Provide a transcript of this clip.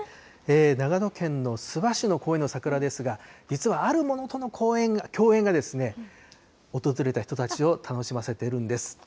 長野県の諏訪市の公園の桜ですが、実はあるものとの共演が、訪れた人たちを楽しませているんです。